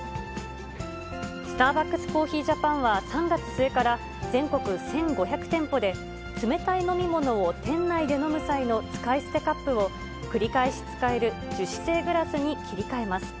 スターバックスコーヒージャパンは３月末から、全国１５００店舗で、冷たい飲み物を店内で飲む際の使い捨てカップを、繰り返し使える樹脂製グラスに切り替えます。